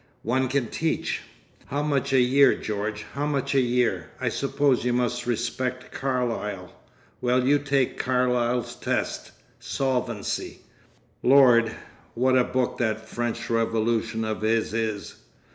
"One can teach." "How much a year, George? How much a year? I suppose you must respect Carlyle! Well, you take Carlyle's test—solvency. (Lord! what a book that French Revolution of his is!)